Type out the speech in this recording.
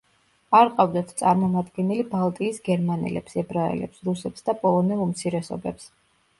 არ ყავდათ წარმომადგენელი ბალტიის გერმანელებს, ებრაელებს, რუსებს და პოლონელ უმცირესობებს.